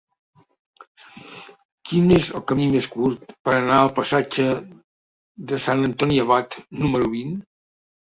Quin és el camí més curt per anar al passatge de Sant Antoni Abat número vint?